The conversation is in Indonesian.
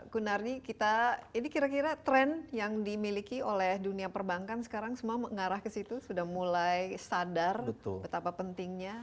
gunardi ini kira kira tren yang dimiliki oleh dunia perbankan sekarang semua mengarah ke situ sudah mulai sadar betapa pentingnya